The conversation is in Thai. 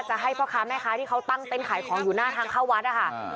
ให้พ่อค้าแม่ค้าที่เขาตั้งเต้นขายของอยู่หน้าทางเข้าวัดนะคะ